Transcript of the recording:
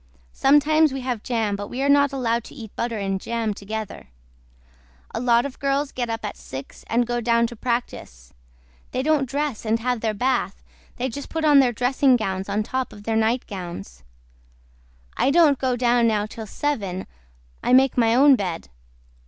SOMETIMES WE HAVE JAM BUT WE ARE NOT ALOWED TO EAT BUTTER AND JAM TOGETHER. A LOT OF GIRLS GET UP AT SIX AND GO DOWN TO PRACTICE THEY DON'T DRESS AND HAVE THEIR BATH THEY JUST PUT ON THEIR DRESSING GOWNS ON TOP OF THEIR NIGHT GOWNS. I DON'T GO DOWN NOW TILL SEVEN I MAKE MY OWN BED.